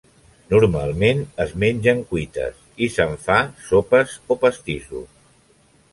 Normalment es mengen cuites i se'n fa sopes o pastissos.